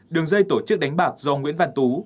đường dây tổ chức đánh bạc do nguyễn văn tú